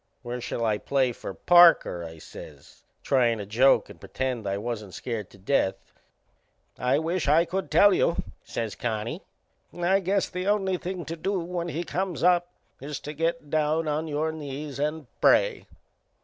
"Where shall I play for Parker?" I says, tryin' to joke and pretend I wasn't scared to death. "I wisht I could tell you," says Connie. "I guess the only thing to do when he comes up is to get down on your knees and pray."